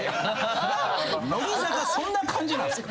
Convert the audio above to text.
乃木坂そんな感じなんすか？